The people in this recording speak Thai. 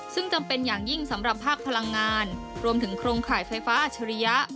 ซึ่งจำเป็นอย่างยิ่งสำหรับภาคพลังงานรวมถึงโครงข่ายไฟฟ้าอัจฉริยะ